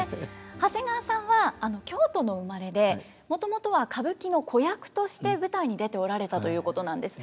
長谷川さんは京都のお生まれでもともとは歌舞伎の子役として舞台に出ておられたということなんです。